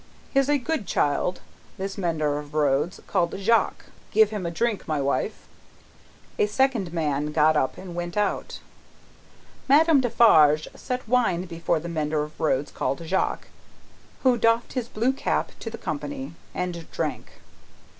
He is a good child, this mender of roads, called Jacques. Give him to drink, my wife!" A second man got up and went out. Madame Defarge set wine before the mender of roads called Jacques, who doffed his blue cap to the company, and drank.